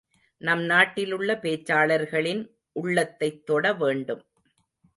நம் நாட்டிலுள்ள பேச்சாளர்களின் உள்ளத்தைத் தொட வேண்டும்.